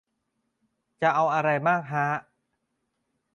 จะเอาไรมากฮะ